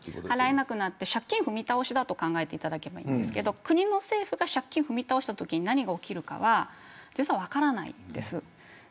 払えなくなって借金踏み倒しだと考えていただければいいですが国の政府が借金を踏み倒したとき何が起きるか実は分からないんです。